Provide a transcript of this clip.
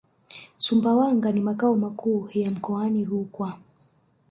Sumbawanga ni makao makuu ya mkoani Rukwa